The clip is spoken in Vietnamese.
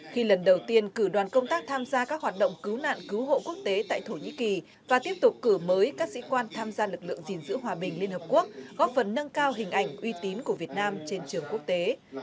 khi lần đầu tiên cử đoàn công tác tham gia các hoạt động cứu nạn cứu hộ quốc tế tại thổ nhĩ kỳ và tiếp tục cử mới các sĩ quan tham gia lực lượng gìn giữ hòa bình liên hợp quốc góp phần nâng cao hình ảnh uy tín của việt nam trên trường quốc tế